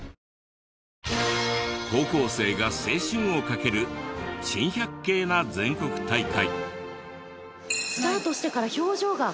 高校生が青春をかける珍百景な全国大会。